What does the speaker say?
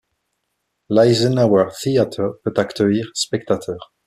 L'Eisenhower Theater peut accueillir spectateurs.